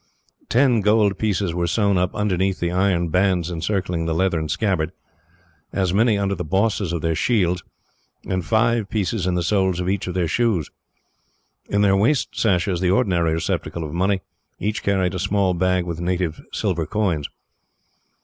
Ten gold pieces were sewn up underneath the iron bands encircling the leathern scabbard, as many under the bosses of their shields, and five pieces in the soles of each of their shoes. In their waist sashes, the ordinary receptacle of money, each carried a small bag with native silver coins.